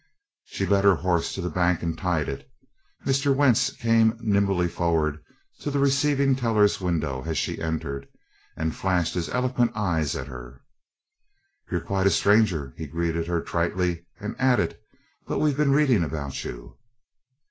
She led her horse to the bank and tied it. Mr. Wentz came nimbly forward to the receiving teller's window as she entered, and flashed his eloquent eyes at her. "You're quite a stranger!" he greeted her tritely, and added, "But we've been reading about you."